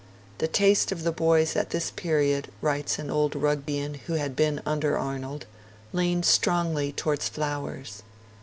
'The taste of the boys at this period,' writes an old Rugbaean who had been under Arnold, 'leaned strongly towards flowers'.